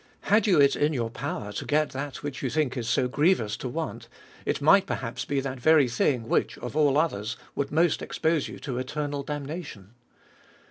Had you it in your power to g et that which you think it so grievous to want, it might perhaps be that very thing, which of all others would most expose you to eternal damnation.